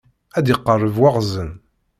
Ad d-iqerreb waɣzen.